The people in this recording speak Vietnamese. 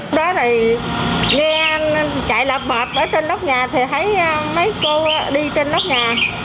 hôm đó thì nghe anh chạy lạp bạp ở trên lớp nhà thì thấy mấy cô đi trên lớp nhà